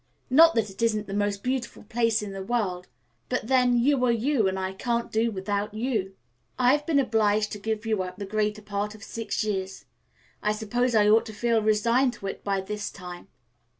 Not that it isn't the most beautiful place in the world, but then, you are you, and I can't do without you." "I have been obliged to give you up the greater part of the last six years. I suppose I ought to feel resigned to it by this time."